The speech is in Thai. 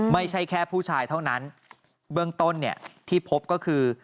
ไม่ใช่แค่ผู้ชายเท่านั้นเบื้องต้นเนี่ยที่พบก็คือ